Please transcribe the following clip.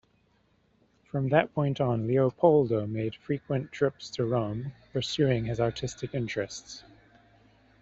From that point on Leopoldo made frequent trips to Rome, pursuing his artistic interests.